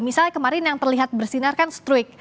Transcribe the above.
misalnya kemarin yang terlihat bersinar kan struik